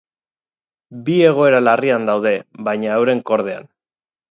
Bi egoera larrian daude, baina euren kordean.